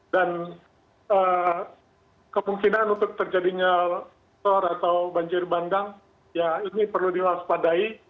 dan kemungkinan untuk terjadinya tor atau banjir bandang ya ini perlu diwaspadai